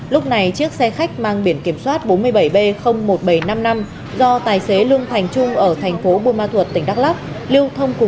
lúc này chiếc xe khách mang biển kiểm soát bốn mươi bảy b một nghìn bảy trăm năm mươi năm do tài xế lương thành trung ở thành phố bùa ma thuật tỉnh đắk lắk